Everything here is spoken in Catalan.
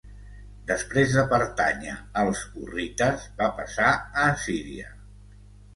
Després de pertànyer als hurrites va passar a Assíria.